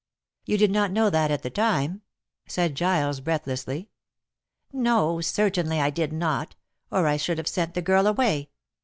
"You did not know that at the time?" said Giles breathlessly. "No. Certainly I did not, or I should have sent the girl away.